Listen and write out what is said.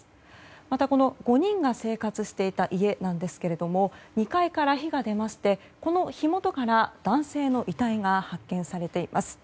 また、５人が生活していた家なんですけれども２階から火が出ましてこの火元から男性の遺体が発見されています。